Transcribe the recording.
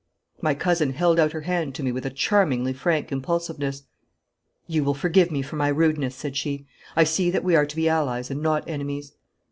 My cousin held out her hand to me with a charmingly frank impulsiveness. 'You will forgive me for my rudeness,' said she. 'I see that we are to be allies and not enemies.'